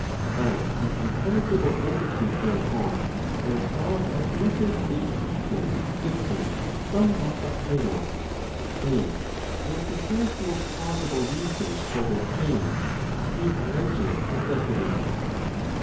About the intelligible entities, therefore, Aristotle advances a teaching different from that of Plato, and as he has no plausible reason for this change, he alleges necessity.